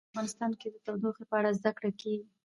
په افغانستان کې د تودوخه په اړه زده کړه کېږي.